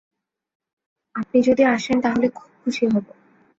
আপনি যদি আসেন তাহলে খুব খুশি হব।